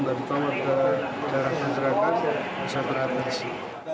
dan menara ke jarak penerbangan bisa teratasi